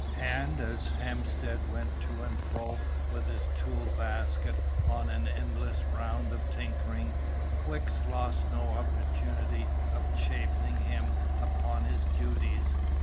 And, as Hemstead went to and fro with his tool basket on an endless round of tinkering, Wicks lost no opportunity of chaffing him upon his duties.